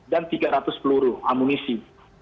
dan tiga ratus peluru amunisi